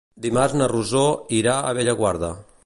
Dimarts na Rosó irà a Bellaguarda.